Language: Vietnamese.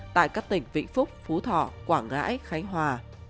tại các tỉnh vĩnh phúc phú thọ quảng ngãi khánh hòa